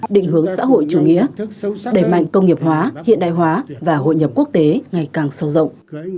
định hướng xã hội chủ nghĩa đẩy mạnh công nghiệp hóa hiện đại hóa và hội nhập quốc tế ngày càng sâu rộng